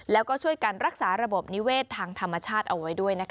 แล้วก็ช่วยกันรักษาระบบนิเวศทางธรรมชาติเอาไว้ด้วยนะคะ